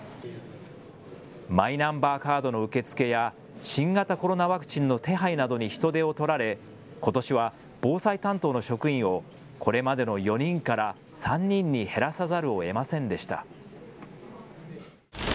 マイナンバーカードの受け付けや新型コロナワクチンの手配などに人手を取られことしは防災担当の職員をこれまでの４人から３人に減らさざるをえませんでした。